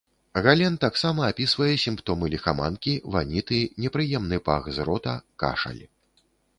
Гален таксама апісвае сімптомы ліхаманкі, ваніты, непрыемны пах з рота, кашаль.